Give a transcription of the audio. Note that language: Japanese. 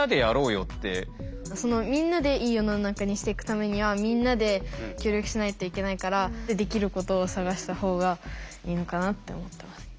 みんなでいい世の中にしていくためにはみんなで協力しないといけないからできることを探したほうがいいのかなって思ってます。